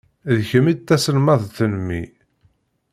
D kemm i d taselmadt n mmi.